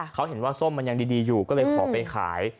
เขาเห็นว่าส้มมันยังดีอยู่ก็เลยขอไปขาย